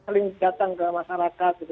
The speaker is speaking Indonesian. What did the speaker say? seling datang ke masyarakat